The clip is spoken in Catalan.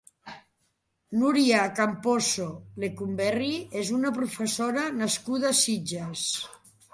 Núria Camposo Lecumberri és una professora nascuda a Sitges.